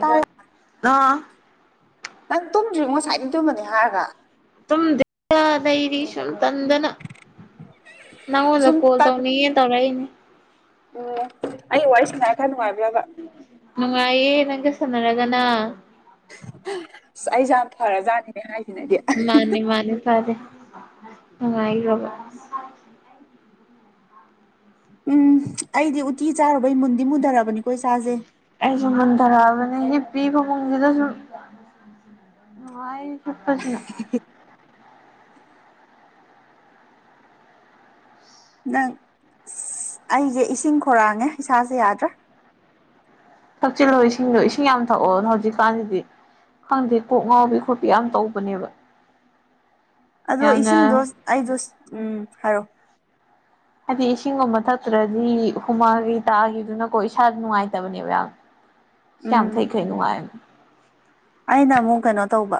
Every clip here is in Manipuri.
ꯇꯥꯔꯦ ꯑꯥ ꯅꯪ ꯇꯨꯝꯗ꯭ꯔꯤꯕꯣ ꯉꯁꯥꯏꯗꯩ ꯇꯨꯝꯃꯅꯤ ꯍꯥꯏꯔꯒ ꯇꯨꯝꯇꯦ ꯗ ꯂꯩꯔꯤꯁꯨꯝ ꯇꯟꯗꯅ ꯅꯪꯗ ꯁꯨꯝ ꯀꯣꯜ ꯇꯟ ꯇꯧꯅꯤꯡꯉꯦꯅ ꯇꯧ꯭ꯔꯅꯤ ꯎꯝ ꯑꯩ ꯋꯥꯔꯤ ꯁꯅꯔ ꯈꯔ ꯅꯨꯡꯉꯥꯏꯕ꯭ꯔꯕ ꯅꯨꯡꯉꯥꯏꯌꯦ ꯅꯪꯒ ꯁꯥꯟꯅꯔꯒꯅ ꯑꯁ ꯑꯩꯁꯦ ꯌꯥꯝ ꯐꯔꯖꯥꯠꯅꯤꯅꯦ ꯍꯥꯏꯁꯤꯅꯗꯤ ꯃꯥꯅꯦ ꯃꯥꯅꯦ ꯐꯌꯦ ꯅꯨꯉꯥꯏꯈꯔꯕ ꯑ [inaudible] ꯎꯝ ꯑꯩꯗꯤ ꯎꯇꯤ ꯆꯥꯔꯨꯕꯩ ꯃꯨꯟꯗꯤ ꯃꯨꯟꯊꯔꯕꯅꯤꯀꯣ ꯏ ꯁꯥꯁꯦ ꯑꯩꯁꯨ ꯃꯨꯟꯊꯔꯛꯑꯕꯅꯦ ꯍꯤꯞꯄꯤ ꯐꯃꯨꯡꯁꯤꯗ ꯁꯨꯝ ꯅꯨꯡꯥꯏ ꯍꯤꯞꯄꯁꯤꯅ ꯅꯪ ꯑ ꯑꯩꯁꯦ ꯏꯁꯤꯡ ꯈꯔꯥꯡꯉꯦ ꯏꯁꯥꯁꯦ ꯌꯥꯗ꯭ꯔꯥ ꯊꯛꯆꯤꯜꯂꯣ ꯏꯁꯤꯡꯗꯣ ꯏꯁꯤꯡ ꯌꯥꯝ ꯊꯛꯑꯣ ꯍꯧꯖꯤꯛꯀꯥꯟꯁꯤꯗꯤ ꯈꯪꯗꯦ ꯀꯣꯛ ꯉꯥꯎꯕꯤ ꯈꯣꯠꯄꯤ ꯌꯥꯝ ꯇꯧꯕꯅꯦꯕ ꯑꯗꯣ ꯏꯁꯤꯡꯗꯣ ꯌꯥꯝꯅ ꯑꯩꯗꯣ ꯎꯝ ꯍꯥꯏꯔꯛꯑꯣ ꯍꯥꯏꯗꯤ ꯏꯁꯤꯡꯒꯨꯝꯕ ꯊꯛꯇꯔꯗꯤ ꯍꯨꯃꯥꯡ ꯇꯥꯈꯤꯕꯗꯨꯅꯀꯣ ꯏꯁꯥꯗ ꯅꯨꯡꯉꯥꯏꯇꯕꯅꯦꯕ ꯌꯥꯝ ꯌꯥꯝ ꯎꯝ ꯊꯡꯏꯈꯩꯅꯅꯨꯡ ꯉꯥꯏ ꯑꯩꯅ ꯑꯃꯨꯛ ꯀꯩꯅꯣ ꯇꯧꯕ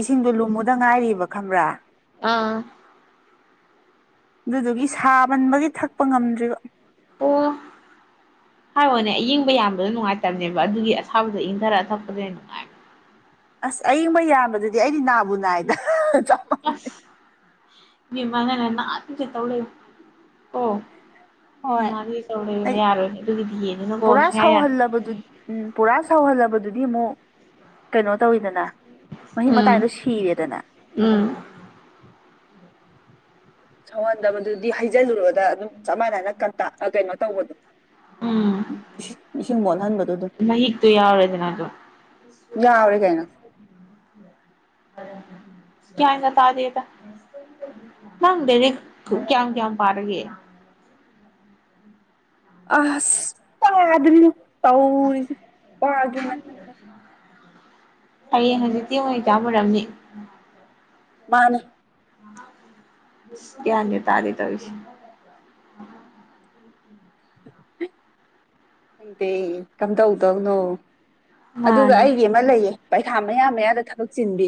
ꯏꯁꯤꯡꯗꯨ ꯂꯨꯝꯃꯨꯗ ꯉꯥꯏꯔꯤꯕ ꯈꯪꯕ꯭ꯔꯥ ꯑꯥ ꯑꯗꯨꯗꯨꯒꯤ ꯁꯥꯃꯟꯕꯒꯤ ꯊꯛꯄ ꯉꯝꯗ꯭ꯔꯤꯕ [unintelligible] ꯍꯥꯏꯋꯤꯅꯦ ꯑꯢꯪꯕ ꯌꯥꯝꯕꯗꯣ ꯅꯨꯡꯉꯥꯏꯇꯕꯅꯦꯕ ꯑꯗꯨꯒꯤ ꯑꯁꯥꯕꯗꯣ ꯏꯪꯊꯔꯛꯒ ꯊꯛꯄꯗ ꯅꯨꯡꯉꯥꯏꯕ ꯑꯁ ꯑꯌꯤꯡꯕ ꯌꯥꯝꯕꯗꯨꯗꯤ ꯑꯩꯗꯤ ꯅꯥꯕꯨ ꯅꯥꯏꯗ ꯑꯁ ꯢꯕꯦꯝꯃ ꯅꯪꯅ ꯅꯗꯧꯗ ꯇꯧ ꯂꯩ ꯑꯣ ꯍꯣꯏ ꯑꯧ ꯑꯩ ꯌꯥꯔꯣ ꯑꯗꯨꯗꯤꯅ ꯄꯨꯔꯥ ꯀꯁꯉ ꯌꯥꯔꯦ [inaudible] [inaudible] ꯎꯝ ꯄꯨꯔꯥ ꯁꯧꯍꯜꯂꯕꯗꯨꯗꯤ ꯑꯃꯨꯛ ꯀꯩꯅꯣ ꯇꯧꯋꯤꯗꯅ ꯃꯍꯤꯛ ꯎꯝ ꯃꯇꯥꯏꯗꯣ ꯁꯤꯔꯦꯗꯅꯥ ꯫ ꯎꯝ ꯁꯧꯍꯟꯗꯕꯗꯨꯗꯤ ꯍꯩꯖꯤꯜꯂꯨꯔꯣꯗ ꯑꯗꯨꯝ ꯆꯞ ꯃꯥꯟꯅꯅ ꯀꯟꯇ ꯀꯩꯅꯣ ꯇꯧꯕꯗꯣ ꯎꯝ ꯢꯁꯤꯡ ꯃꯣꯜꯍꯟꯕꯗꯨꯗ ꯃꯍꯤꯛꯇꯣ ꯌꯥꯎꯔꯦꯗꯅ ꯑꯗꯣ ꯌꯥꯋ꯭ꯎꯔꯦ ꯀꯩꯅꯣ ꯀꯌꯥꯟꯒ ꯇꯥꯗꯦꯗ ꯈꯪꯗꯦꯅꯦ ꯀꯌꯥꯝ ꯀꯌꯥꯝ ꯄꯥꯔꯒꯦ ꯑꯁ ꯄꯥꯗ꯭ꯔꯤꯗ ꯇꯧꯔꯤꯁꯦ ꯄꯥꯒꯦꯅ ꯈꯟꯕꯅꯦ ꯍꯌꯦꯡ ꯍꯧꯖꯤꯛꯇꯤ ꯃꯨꯛꯇꯤ ꯑꯦꯛꯖꯥꯝ ꯑꯣꯢꯔꯝꯅꯤ ꯃꯥꯅꯦ ꯀꯌꯥꯟꯒ ꯇꯥꯔꯦ ꯇꯧꯔꯤꯁꯦ ꯈꯪꯗꯦ ꯀꯝꯗꯧꯗꯧꯅꯣ ꯑꯗꯨꯒ ꯃꯥꯅꯦ ꯑꯩꯒꯤ ꯑꯃ ꯂꯩꯌꯦ ꯄꯩꯈꯥ ꯃꯌꯥ ꯃꯌꯥꯗ ꯊꯕꯛ ꯆꯤꯟꯕꯤ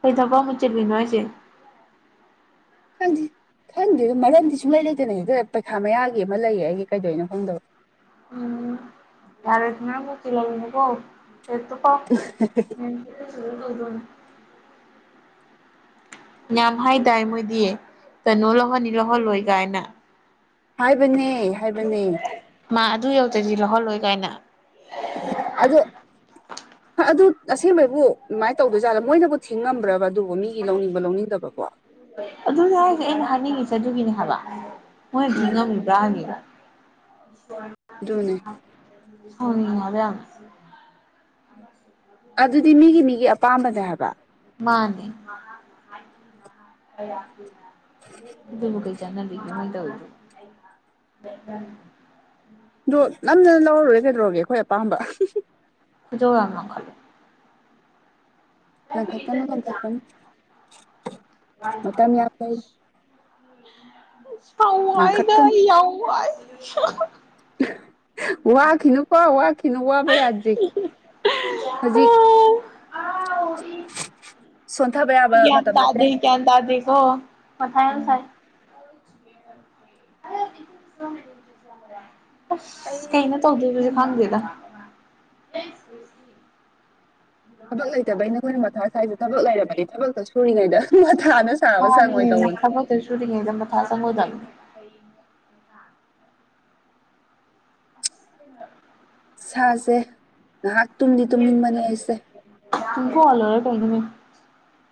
ꯀꯩ ꯊꯕꯛꯅꯣ ꯆꯤꯟꯂꯤ ꯍꯥꯢꯁꯤ ꯈꯪꯗꯦ ꯈꯪꯗꯦ ꯑꯗ ꯃꯔꯝꯗꯤ ꯁꯨꯡꯂꯩ ꯂꯩꯇꯅ ꯁꯤꯗ ꯄꯩꯈꯥ ꯃꯌꯥꯒꯤ ꯑꯃ ꯂꯩꯌꯦ ꯑꯩꯒꯤ ꯀꯩꯗꯧꯅꯣ ꯈꯪꯗꯕ ꯎꯝ ꯌꯥꯔꯦ ꯊꯅꯖꯤꯤ ꯂ ꯀꯣ ꯐꯣ ꯀꯥꯎ [inaudible] [inaudible] ꯃ [inaudible] ꯌꯥꯝ ꯍꯥꯏ ꯇꯥꯏ ꯃꯣꯏꯗꯤ ꯀꯩꯅꯣ ꯂꯧꯍꯅꯤ ꯂꯧꯍꯜꯂꯣꯏ ꯀꯥꯏꯅ ꯍꯥꯏꯕꯅꯦ ꯍꯥꯏꯕꯅꯦ ꯃꯥꯛ ꯑꯗꯨ ꯌꯧꯗ꯭ꯔꯗꯤ ꯂꯧꯍꯜꯂꯣꯏ ꯀꯥꯏꯅ ꯑꯗꯨ ꯑꯗꯨ ꯑꯁꯦꯡꯕꯩꯕꯨ ꯑꯗꯨꯃꯥꯏꯅ ꯇꯧꯗꯣꯏꯖꯥꯠꯂ ꯃꯣꯏꯅꯕꯨ ꯊꯤꯡꯉꯝꯝꯕ꯭ꯔꯕ ꯑꯗꯨꯕꯨ ꯃꯤꯒꯤ ꯂꯧꯅꯤꯡꯕ ꯂꯧꯅꯤꯡꯗꯕꯕꯣ ꯑꯗꯨꯅꯦ ꯍꯥꯏꯁꯦ ꯑꯩꯅ ꯍꯥꯏꯅꯤꯡꯉꯤꯁꯦ ꯑꯗꯨꯒꯤꯅꯦ ꯍꯥꯏꯕ ꯃꯣꯏꯅꯗꯤ ꯎꯝ ꯉꯝꯃꯤꯕ ꯅꯤꯗ ꯑꯗꯨꯅꯦ ꯁꯥꯎꯉꯤꯡꯌꯦꯕ ꯌꯥꯝꯅ ꯑꯗꯨꯗꯤ ꯃꯤꯒꯤ ꯃꯤꯒꯤ ꯑꯄꯥꯝꯕꯅꯦ ꯍꯥꯏꯕ ꯃꯥꯅꯦ ꯀꯩ ꯆꯠꯅꯕꯤꯅꯣ ꯃꯣꯢ ꯇꯧꯔꯤꯁꯦ ꯑꯗꯣ ꯅꯝꯅꯅ ꯂꯧꯔ ꯂꯣꯢꯔꯦ ꯀꯩꯗꯧꯔꯒꯦ ꯑꯩꯈꯣꯏ ꯑꯄꯥꯝꯕ ꯖꯔꯔꯅ ꯈꯜꯂꯦ [inaudible] ꯇ ꯏꯇ ꯂꯪꯈꯠꯀꯅꯨ ꯆ ꯂꯪꯈꯠꯀꯅꯨ ꯋꯥ ꯃꯇꯝ ꯌꯥꯝ ꯂꯩ [inaudible] ꯑꯩ ꯌꯥꯝ ꯋꯥꯢꯗ ꯂꯪꯈꯠꯀꯅꯨ ꯌꯥꯝ ꯋꯥꯢ ꯋꯥꯈꯤꯅꯨꯀꯣ ꯋꯥꯈꯤꯅꯨ ꯋꯥꯕ ꯌꯥꯗ꯭ꯔꯤ ꯍꯧꯖꯤꯛ꯫ [unintelligible] ꯁꯣꯟꯊꯕ꯫ ꯌꯥꯕ ꯒ꯭ꯌꯥꯟ ꯃꯇꯝ ꯅꯠꯇꯦ ꯇꯥꯗꯦ ꯀ꯭ꯌꯥꯟ ꯇꯥꯗꯦ ꯀꯣ ꯃꯊꯥ ꯌꯥꯝ ꯎꯝ ꯁꯥꯢ꯫ ꯑꯁ ꯑꯩ ꯀꯩꯩꯅꯣ ꯇꯧꯗꯨꯢꯁꯨ ꯈꯪꯗꯦꯗ꯫ ꯊꯕꯛ ꯂꯩꯇꯕꯩꯅꯦ ꯑꯩꯈꯣꯏꯅ ꯃꯊꯥ ꯁ꯭ꯋꯥꯏꯁꯦ ꯊꯕꯛ ꯂꯩꯔꯕꯅꯤ ꯊꯕꯛꯇ ꯁꯨꯔꯤꯉꯩꯗ꯫ ꯁꯥꯕ ꯁꯪꯉꯣꯏ ꯍ ꯇꯧꯕꯅꯤ ꯈꯕꯔ ꯇ ꯁꯨꯇꯗ ꯃ ꯊꯥ ꯁꯪꯒꯣꯗ꯫ [inaudible] ꯁꯤ [inaudible] ꯁꯥꯁꯦ ꯉꯥꯏꯍꯥꯛ ꯇꯨꯝꯗꯤ ꯇꯨꯝꯅꯤꯡꯕꯅꯦ ꯑꯩꯁꯦ ꯇꯨꯝꯊꯣꯛꯑꯒ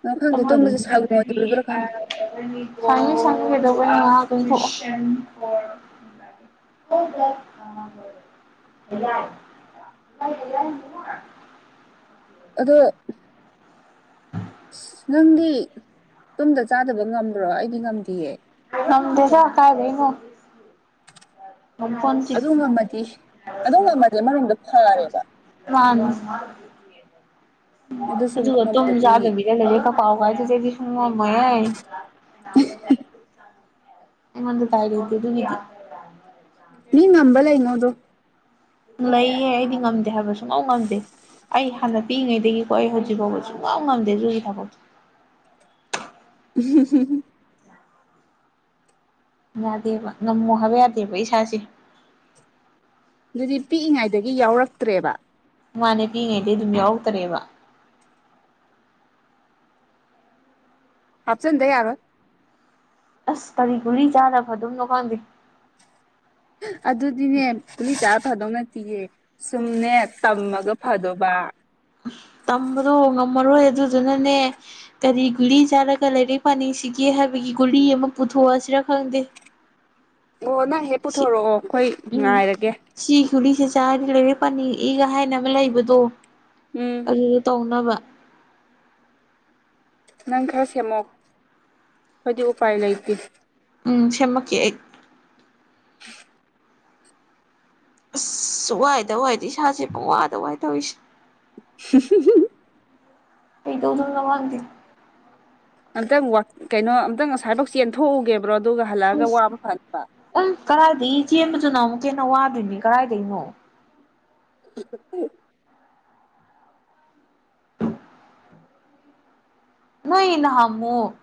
ꯅꯪ ꯈꯪꯗꯦ ꯇꯨꯝꯕꯁꯦ ꯁꯪꯉꯣꯏꯗꯣꯔꯤꯕ꯭ꯔꯥ ꯈꯪꯗꯦ ꯀꯩꯅꯣꯅꯦ [unintelligible] [unintelligible] [unintelligible] ꯑꯗꯣ ꯑꯁ ꯅꯪꯗꯤ ꯇꯨꯡꯗ ꯆꯥꯗꯕ ꯉꯝꯗ꯭ꯔꯣ ꯑꯩꯗꯤ ꯉꯝꯗꯦꯌꯦ ꯅꯝꯗꯦꯗ ꯀꯥꯏꯗꯩꯅꯣ ꯫ ꯃꯐꯣꯟ ꯑꯗꯨꯉꯝꯃꯗꯤ ꯑꯗꯨꯉꯝꯃꯗꯤ ꯑꯃꯔꯣꯝꯗ ꯐꯥꯔꯦꯕ ꯃꯥꯟꯅꯦ ꯑꯗꯨꯁꯨ ꯑꯃꯨꯛ ꯑꯗꯨꯒ ꯉꯝꯗꯕꯤ ꯇꯨꯝꯆꯗꯕꯤ [unintelligible] ꯈꯪ ꯉꯝꯃꯣꯏꯌꯦ ꯑꯩꯉꯣꯟꯗ [unintelligible] ꯃꯤ ꯉꯝꯕ ꯂꯩꯉꯣ ꯑꯗꯣ ꯂꯩꯌꯦ ꯑꯩꯗꯤ ꯉꯝꯗꯦ ꯍꯥꯏꯕ ꯁꯨꯛꯉꯝ ꯉꯝꯗꯦ ꯑꯩ ꯍꯥꯟꯅ ꯄꯤꯛꯏꯉꯩꯗꯒꯤꯀꯣ ꯑꯩ ꯍꯧꯖꯤꯛꯐꯥꯎꯕ ꯁꯨꯡꯉꯝ ꯉꯝꯗꯦ ꯑꯗꯨꯒꯤ ꯊꯕꯥꯛꯇꯣ [unintelligible] ꯌꯥꯗꯦꯕ ꯉꯝꯃꯣ ꯍꯥꯏꯕ ꯌꯥꯗꯦꯕ ꯏꯁꯥꯁꯦ ꯑꯗꯨꯗꯤ ꯄꯤꯛꯏ ꯉꯥꯏꯗꯒꯤ ꯌꯥꯎꯔꯛꯇ꯭ꯔꯦꯕ ꯃꯥꯅꯦ ꯄꯤꯛꯏ ꯉꯩꯗꯩ ꯑꯗꯨꯝ ꯌꯥꯎꯔꯛꯇ꯭ꯔꯦꯕ ꯍꯥꯞꯆꯤꯟꯗ ꯌꯥꯔꯣꯏ ꯑꯁ ꯀꯔꯤ ꯒꯨꯂꯤ ꯆꯥꯔ ꯐꯗꯨꯝꯅꯣ ꯈꯪꯗꯦ ꯑꯗꯨꯗꯤꯅꯦ ꯒꯨꯂꯤꯁ ꯆꯥꯔ ꯐꯥꯗꯧ ꯅꯠꯇꯤꯌꯦ ꯁꯨꯝꯅꯦ ꯇꯝꯃꯒ ꯐꯗꯧꯕ ꯇꯝꯕꯗꯣ ꯉꯝꯃꯔꯣꯏ ꯑꯗꯨꯗꯨꯅꯅꯦ ꯀꯔꯤ ꯒꯨꯂꯤ ꯆꯥꯔꯒ ꯂꯥꯏꯔꯤꯛ ꯄꯥꯅꯤꯡꯁꯤꯒꯦ ꯍꯥꯏꯕꯒꯤ ꯒꯨꯂꯤ ꯑꯃ ꯄꯨꯊꯣꯛ ꯑꯁꯤꯔꯥ ꯈꯪꯗꯦ ꯑꯣ ꯅꯪꯍꯦꯛ ꯁꯤ ꯄꯨꯊꯣꯔꯛꯑꯣ ꯑꯩꯈꯣꯏ ꯎꯝ ꯉꯥꯏꯔꯒꯦ ꯁꯤ ꯒꯨꯂꯤꯁꯦ ꯆꯥꯔꯗꯤ ꯂꯥꯏꯔꯤꯛ ꯄꯥꯅꯤꯡꯉꯛꯏꯀ ꯍꯥꯏꯅꯕ ꯂꯩꯕꯗꯣ ꯎꯝ ꯑꯗꯨꯗ ꯇꯧꯅꯕ ꯅꯪ ꯈꯔ ꯁꯦꯝꯃꯛꯑꯣ ꯑꯈꯣꯏꯗꯤ ꯎꯄꯥꯏ ꯂꯩꯇꯦ ꯎꯝ ꯁꯦꯝꯃꯛꯀꯦ ꯑꯩ [unintelligible] ꯑꯁꯨ ꯋꯥꯏꯗ ꯋꯥꯏꯗ ꯏꯁꯥꯁꯦ ꯄꯨꯡꯋꯥꯗ ꯋꯥꯏ ꯇꯧꯋꯤꯁꯦ [unintelligible] ꯑꯩꯗꯣ ꯈꯪꯉꯕ ꯍꯥꯡꯇꯤ ꯑꯝꯇꯪ ꯋꯥꯛ ꯀꯩꯅꯣ ꯑꯝꯇꯪ ꯉꯁꯥꯏꯕꯥꯎ ꯆꯦꯟꯊꯣꯛꯎ ꯒꯦꯕ꯭ꯔꯣ ꯑꯗꯨꯒ ꯍꯜꯂꯛꯑꯒ ꯋꯥꯕ ꯐꯥꯅꯕ ꯎꯝ ꯀꯔꯥꯏꯗꯒꯤ ꯆꯦꯟꯕꯖꯨ ꯅꯪꯍꯧꯗꯦꯅ ꯋꯥꯗꯣꯏꯅꯤ ꯀꯔꯥꯏꯗꯩꯅꯣ [unintelligible] ꯅꯣꯏ ꯅꯍꯥꯟꯃꯨꯛ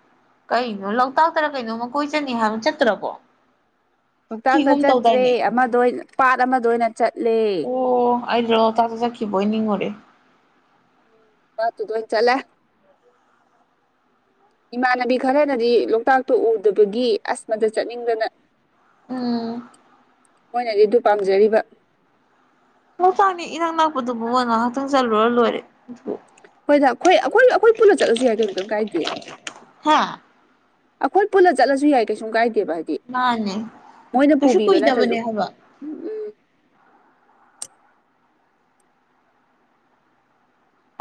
ꯀꯩꯅꯣ ꯂꯣꯛꯇꯥꯛꯇꯔ ꯀꯩꯅꯣꯝꯃ ꯀꯣꯏ ꯆꯠꯅꯤ ꯍꯥꯏꯕ ꯆꯠꯇ꯭ꯔꯕꯣ ꯂꯣꯛꯇꯥꯛꯇ ꯈꯤꯒꯨꯝ ꯆꯠꯇ꯭ꯔꯦ ꯇꯧꯗꯥꯏꯅꯦ ꯑꯃꯗ ꯑꯣꯏꯅ ꯄꯥꯠ ꯑꯃꯗ ꯑꯣꯏꯅ ꯆꯠꯂꯦ ꯑꯗꯤꯔꯣ ꯂꯣꯇꯥꯛ ꯆꯠꯈꯤꯕꯣꯏ ꯅꯤꯡꯉꯨꯔꯦ ꯄꯥꯠ ꯇꯨꯗ ꯑꯣꯏꯅ ꯆꯠꯂꯦ ꯏꯃꯥꯟꯅꯕꯤ ꯈꯔꯅꯗꯤ ꯂꯣꯛꯇꯥꯛꯇꯣ ꯎꯗꯕꯒꯤ ꯑꯁ ꯃꯗ ꯆꯠꯅꯤꯡꯗꯅ ꯎꯝ ꯃꯣꯏꯅꯗꯤ ꯑꯗꯨ ꯄꯥꯝꯖꯔꯤꯕ ꯂꯣꯛꯇꯥꯛꯅꯦ ꯏꯅꯛ ꯅꯛꯄꯗꯨꯕꯨ ꯉꯥꯏꯍꯥꯛꯇꯪ ꯆꯠꯂꯨꯔ ꯂꯣꯏꯔꯦ ꯑꯗꯨ ꯍꯣꯏꯗ ꯑꯩꯈꯣꯏ ꯑꯩꯈꯣꯏ ꯑꯩꯈꯣꯏ ꯄꯨꯂ ꯆꯠꯂꯁꯨ ꯌꯥꯏ ꯀꯩꯅꯣ ꯀꯩꯝ ꯀꯥꯏꯗꯦ ꯍꯥ ꯑꯩꯈꯣꯏ ꯄꯨꯂ ꯆꯠꯂꯁꯨ ꯌꯥꯏ ꯀꯩꯁꯨꯝ ꯀꯥꯏꯗꯦꯕ ꯍꯥꯏ ꯃꯥꯟꯅꯦ ꯀꯩꯁꯨ ꯅꯠꯇ꯭ꯔꯁꯨ ꯀꯨꯏꯗꯕꯅꯦ ꯍꯥꯏꯕ ꯎꯝ ꯎꯝ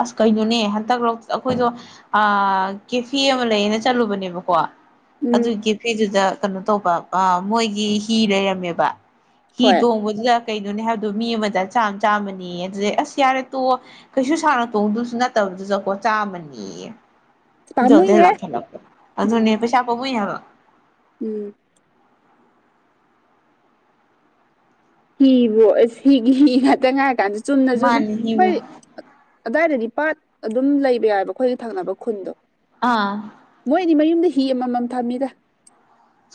ꯑꯁ ꯀꯩꯅꯣꯅꯦ ꯍꯟꯇꯛ ꯔꯣꯛꯁ ꯑꯩꯈꯣꯏꯗꯣ ꯑ ꯀꯦꯐꯤ ꯑꯃ ꯂꯩꯌꯦꯅ ꯆꯠꯂꯨꯕꯅꯦꯕꯀꯣ ꯎꯝ ꯑꯗꯨꯒꯤ ꯀꯦꯐꯤꯗꯨꯗ ꯀꯩꯅꯣ ꯇꯧꯕ ꯑ ꯃꯣꯏꯒꯤ ꯍꯤ ꯂꯩꯔꯝꯃꯦꯕ ꯍꯤ ꯍꯣꯏ ꯇꯣꯡꯕ ꯗꯨꯗ ꯀꯩꯅꯣꯅꯦ ꯍꯥꯏꯕꯗꯨꯕꯣ ꯃꯤ ꯑꯃꯗ ꯆꯥꯝ ꯆꯥꯝꯃꯅꯦꯌꯦ ꯑꯗꯨꯗꯩ ꯑꯁ ꯌꯥꯔꯦ ꯇꯣꯛꯑꯣ ꯀꯩꯁꯨ ꯁꯥꯡꯅ__ ꯇꯣꯡꯗꯧꯁꯨ ꯅꯠꯇꯕꯗꯨꯗꯀꯣ ꯆꯥꯝꯃꯅꯦꯌꯦ ꯈꯣꯏꯗꯧꯗꯣ ꯍꯦꯛ ꯄꯥꯝꯃꯨꯏꯍꯦ ꯂꯪꯈꯠ ꯂꯛꯄ ꯑꯗꯨꯅꯦ ꯎꯝ ꯄꯩꯁꯥ ꯄꯥꯝꯃꯨꯏ ꯍꯥꯏꯕ ꯎꯝ ꯍꯤꯕꯨ ꯑꯁ ꯍꯤꯒꯤ ꯍꯤ ꯉꯥꯛꯇ ꯉꯥꯏꯔꯀꯥꯟꯖꯤꯗ ꯆꯨꯝꯅꯁꯨ ꯑꯗꯨꯝ ꯃꯥꯅꯤ ꯍꯤ ꯈꯣꯏ ꯑ__ ꯑꯗ꯭ꯋꯥꯏꯗꯗꯤ ꯄꯥꯠ ꯑꯗꯨꯝ ꯂꯩꯕ ꯌꯥꯎꯌꯦꯕ ꯑꯩꯈꯣꯏꯒꯤ ꯊꯪꯅꯕ ꯈꯨꯟꯗꯣ ꯑꯥ ꯃꯣꯏꯗꯤ ꯃꯌꯨꯝꯗ ꯍꯤ ꯑꯃꯃꯝ ꯊꯝꯃꯤꯗ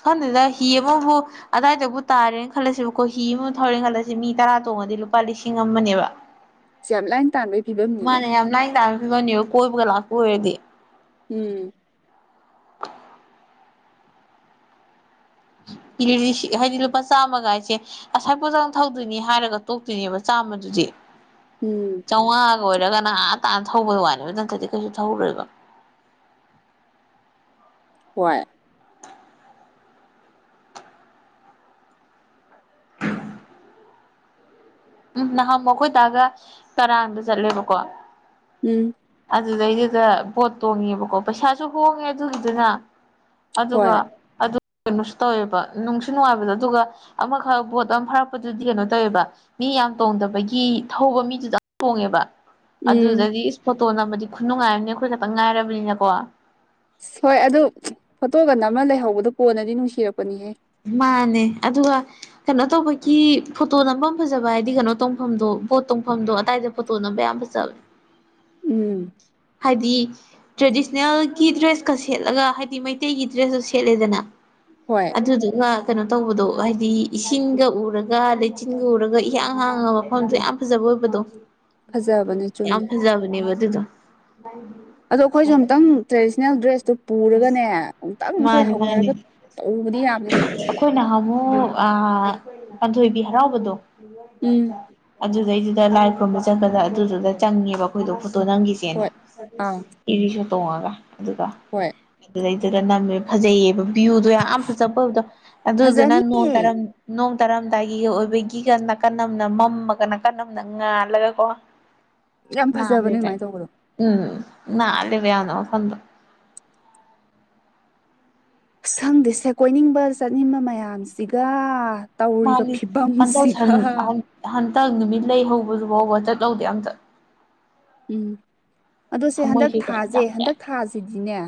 ꯈꯪꯗꯦꯗꯥ ꯍꯤ ꯑꯃꯕꯨ ꯑꯗꯥꯏꯗꯕꯨ ꯇꯥꯔꯦꯅ ꯈꯜꯂꯁꯦꯕꯀꯣ ꯍꯤ ꯑꯃꯕꯨ ꯊꯧꯔꯦꯅ ꯈꯜꯂꯁꯦ ꯃꯤ ꯇꯔꯥ ꯇꯣꯡꯉꯗꯤ ꯂꯨꯄꯥ ꯂꯤꯁꯤꯡ ꯑꯃꯅꯦꯕ [inaudible] ꯂꯥꯏꯅ ꯇꯥꯟꯕꯒꯤ ꯐꯤꯕꯝꯅꯤꯅꯦ ꯃꯥꯅꯦ ꯌꯥꯝ ꯂꯥꯏꯅ ꯇꯥꯟꯕꯩ ꯐꯤꯕꯝꯅꯦꯕ ꯀꯣꯏꯕꯒ ꯂꯥꯛꯄ ꯑꯣꯏꯔꯗꯤ ꯎꯝ [unintelligible] ꯍꯥꯏꯗꯤ ꯂꯨꯄꯥ ꯆꯥꯝꯃ ꯀꯥꯏꯁꯦ ꯑꯁꯥꯏ ꯐꯧꯇꯪ ꯊꯧꯗꯣꯏꯅꯤ ꯍꯥꯏꯔꯒ ꯇꯣꯛꯇꯣꯏꯅꯦꯕ ꯆꯥꯝꯃꯗꯨꯗꯤ ꯎꯝ ꯆꯥꯝꯉꯥꯒ ꯑꯣꯏꯔꯒ ꯑꯥ ꯇꯥꯟꯅ ꯊꯧꯕꯩ ꯋꯥꯅꯦꯕ ꯅꯠꯇꯗꯤ ꯀꯩꯁꯨ ꯊꯧꯔꯣꯏꯕ ꯍꯣꯏ ꯎꯝꯍ ꯅꯍꯥꯟ ꯃꯨꯛ ꯑꯩꯈꯣꯏ ꯗꯥꯒ ꯀꯔꯥꯡꯗ ꯆꯠꯂꯦꯕꯀꯣ ꯎꯝ ꯑꯗꯨꯗꯩꯗꯨꯗ ꯕꯣꯠ ꯇꯣꯡꯉꯦꯕꯀꯣ ꯄꯩꯁꯥꯁꯨ ꯍꯣꯡꯉꯦ ꯑꯗꯨꯒꯤꯗꯨꯅ ꯍꯣꯏ ꯑꯗꯨꯒ ꯑꯗꯨ ꯀꯩꯅꯣꯁꯨ ꯇꯧꯋꯦꯕ ꯅꯨꯡꯁꯨ ꯅꯨꯡꯉꯥꯏꯕꯗꯣ ꯑꯗꯨꯒ ꯑꯃꯈꯛ ꯕꯣꯠ ꯑꯃ ꯐꯥꯔꯛꯄꯗꯨꯗꯤ ꯀꯩꯅꯣ ꯇꯧꯋꯦꯕ ꯃꯤ ꯌꯥꯝ ꯇꯣꯡꯗꯕꯒꯤ ꯊꯧꯕ ꯃꯤꯗꯨꯗꯪ ꯇꯣꯡꯉꯦꯕ ꯎꯝ ꯑꯗꯨꯗꯗꯤ ꯏꯁ ꯐꯣꯇꯣ ꯅꯝꯕꯗꯤ ꯈꯨꯠꯅꯨꯡꯉꯥꯏ ꯑꯝꯅꯦ ꯑꯩꯈꯣꯏ ꯈꯛꯇꯪ ꯉꯥꯏꯔꯕꯅꯤꯅꯀꯣ ꯑꯁ ꯍꯣꯏ ꯑꯗꯨ ꯐꯣꯇꯣꯒ ꯅꯝꯃ ꯂꯩꯍꯧꯕꯗꯣ ꯀꯣꯟꯅꯗꯤ ꯅꯨꯡꯁꯤꯔꯛꯄꯅꯤꯍꯦ ꯃꯥꯅꯦ ꯑꯗꯨꯒ ꯀꯩꯅꯣ ꯇꯧꯕꯒꯤ ꯐꯣꯇꯣ ꯅꯝꯕꯝ ꯐꯖꯕ ꯍꯥꯏꯗꯤ ꯀꯩꯅꯣ ꯇꯣꯡꯐꯝꯗꯣ ꯕꯣꯠ ꯇꯣꯡꯐꯝꯗꯣ ꯑꯗꯥꯏꯗ ꯐꯣꯇꯣ ꯅꯝꯕ ꯌꯥꯝ ꯐꯖꯕꯅꯦ [inaudible] ꯎꯝ ꯍꯥꯏꯗꯤ ꯇ꯭ꯔꯦꯗꯤꯁꯅꯦꯜꯒꯤ ꯗ꯭ꯔꯦꯁꯀ ꯁꯦꯠꯂꯒ ꯍꯥꯏꯗꯤ ꯃꯩꯇꯩꯒꯤ ꯗ꯭ꯔꯦꯁꯇꯣ ꯁꯦꯠꯂꯦꯗꯅ ꯍꯣꯏ ꯑꯗꯨꯗꯨꯒ ꯀꯩꯅꯣ ꯇꯧꯕꯗꯣ ꯍꯥꯏꯗꯤ ꯏꯁꯤꯡꯒ ꯎꯔꯒ ꯂꯩꯆꯤꯟꯒ ꯎꯔꯒ ꯏꯍꯥꯡ ꯍꯥꯡꯉ ꯃꯐꯝꯗꯣ ꯌꯥꯝ__ ꯐꯖꯕ ꯑꯣꯏꯕꯗꯣ [inaudible] ꯌꯥꯝ ꯆꯨꯝꯃꯦ ꯐꯖꯕꯅꯦꯕ ꯑꯗꯨꯨꯗꯣ ꯑꯗꯣ ꯑꯩꯈꯣꯏꯁꯨ ꯑꯝꯇꯪ ꯇ꯭ꯔꯦꯗꯤꯁꯅꯦꯜ ꯗ꯭ꯔꯦꯁꯇꯨ ꯄꯨꯔꯒꯅꯦ ꯑꯃꯨꯛꯇꯪ ꯑꯩꯈꯣꯏ ꯃꯥꯅꯤ ꯃꯥꯅꯤ ꯍꯧꯅꯔꯒ ꯇꯧꯔꯨꯕꯗꯤ ꯌꯥꯕꯅꯦꯁꯦ ꯑꯩꯈꯣꯏ ꯅꯍꯥꯟꯃꯨꯛ ꯑꯥ ꯄꯥꯟꯊꯣꯏꯕꯤ ꯍꯔꯥꯎꯕꯗꯣ ꯎꯝ ꯑꯗꯨꯗꯩꯗꯨꯗ ꯂꯥꯏ ꯈꯨꯔꯨꯝꯕ ꯆꯠꯄꯗ ꯑꯗꯨꯗꯨꯗ ꯆꯪꯉꯦꯕ ꯑꯩꯈꯣꯏꯗꯣ ꯐꯣꯇꯣ ꯅꯝꯒꯤꯁꯦ__ ꯁꯦꯅ ꯍꯣꯏ ꯑꯥ ꯏ ꯔꯤꯛꯁꯣ ꯇꯣꯡꯉꯒ ꯑꯗꯨꯒ ꯍꯣꯏ ꯑꯗꯨꯗꯩꯗꯨꯗ ꯅꯝꯃꯦ ꯐꯖꯩꯌꯦꯕ ꯚ꯭ꯌꯨꯗꯣ ꯌꯥꯝ ꯐꯖꯕ ꯑꯣꯏꯕꯗꯣ ꯑꯗꯨꯗꯨꯅ ꯅꯣꯡ ꯐꯖꯅꯤꯌꯦ ꯇꯥꯔꯝ__ ꯅꯣꯡ ꯇꯥꯔꯝꯗꯥꯏꯒꯤꯒ ꯑꯣꯏꯕꯒꯤꯒ ꯅꯥꯀꯟ ꯑꯃꯅ ꯃꯝꯃꯒ ꯅꯥꯀꯟ ꯑꯃꯅ ꯉꯥꯜꯂꯒ ꯀꯣ [inaudible] ꯐꯖꯕꯅꯦ ꯅꯥꯜꯂꯦꯗꯥꯏ ꯑꯗꯨꯃꯥꯏꯅ ꯇꯧꯕꯗꯣ ꯎꯝ ꯅꯥꯜꯂꯦꯕ ꯌꯥꯝꯅ ꯃꯐꯝꯗꯣ ꯑꯁ ꯈꯪꯗꯦ ꯁꯦ ꯀꯣꯏꯅꯤꯡꯕ ꯆꯠꯅꯤꯡꯕ ꯃꯌꯥꯝꯁꯤꯒ ꯇꯧꯔꯤꯕ ꯃꯥꯅꯤ ꯍꯟꯗꯛ ꯐꯤꯕꯝꯁꯤꯒ ꯁꯟ ꯍꯟ ꯍꯟꯇꯛ ꯅꯨꯃꯤꯠ ꯂꯩ ꯍꯧꯕꯗꯨ ꯐꯥꯎꯕ ꯆꯠꯍꯧꯗꯦ ꯃꯝꯇꯥ ꯎꯝ ꯑꯗꯣ ꯁꯦ ꯊꯃꯣꯏ ꯍꯟꯗꯛ ꯀꯩꯀꯥ ꯊꯥꯁꯦ ꯆꯥꯛꯄꯦ ꯍꯟꯗꯛ ꯊꯥꯁꯤꯗꯤꯅꯦ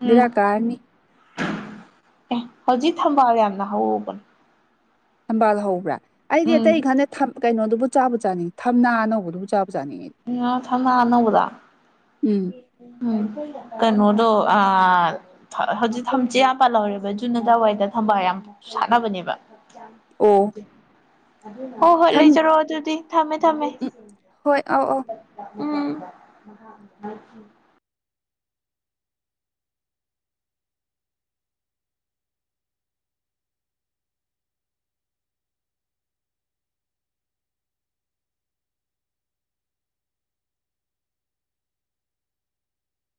ꯎꯝ ꯕꯦꯔꯥꯀꯥꯔꯅꯤ꯫ ꯑꯦ ꯍꯧꯖꯤꯛ ꯊꯝꯕꯥꯜ ꯌꯥꯝꯅ ꯍꯧꯕꯅꯦ꯫ ꯊꯝꯕꯥꯜ ꯍꯧꯕ꯭ꯔꯥ ꯑꯩꯗꯤ ꯑꯇꯩ ꯎꯝ ꯈꯥꯟꯗ ꯀꯩꯅꯣꯗꯨꯕꯨ ꯆꯥꯕ ꯆꯥꯅꯤꯡꯏꯤ ꯊꯝꯅꯥ ꯑꯅꯧꯕꯗꯨꯕꯨ ꯆꯥꯕ ꯆꯥꯅꯤꯡꯉꯏ꯫ ꯎꯝ ꯊꯝꯅꯥ ꯊꯝꯅ ꯑꯅꯥꯑꯣꯕ ꯎꯝ ꯗꯝ ꯀꯩꯅꯣꯗꯣ ꯑ ꯍꯧꯖꯤꯛ ꯊꯝꯁꯦꯠ ꯌꯥꯝ ꯄꯍꯧꯔꯦꯕ ꯖꯨꯅꯗꯥꯋꯥꯏꯗ ꯊꯝꯕꯥꯜ ꯌꯥꯝ ꯁꯥꯟꯅꯕꯅꯦꯕ [inaudible] ꯑꯣ ꯍꯣꯏ ꯍꯣꯏ ꯊꯝ ꯂꯩꯖꯔꯣꯑꯣ ꯑꯗꯨꯗꯤ ꯊꯝꯃꯦ ꯊꯝꯃꯦ ꯎꯝ ꯍꯣꯏ ꯑꯧ ꯑꯧ ꯎꯝ [unintelligible] [inaudible]